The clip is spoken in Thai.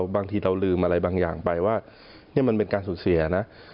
บางทีเราลืมอะไรบางอย่างไปว่านี่มันเป็นการสูญเสียนะ